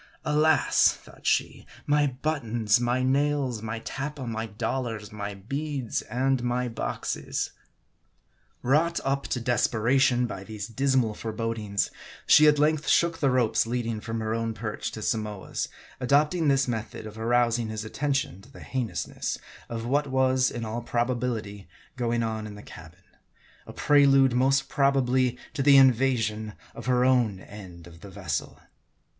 Alas ! thought she, my buttons, my nails, my tappa, my dollars, my beads, and my boxes ! Wrought up to desperation by these dismal forebodings, she at length shook the ropes leading irom her own perch to Samoa's ; adopting this method of arousing his attention to M A R D I. 107 the heinousness of what was in all probability going on in the cabin, a prelude most probably to the invasion of her own end of the vessel.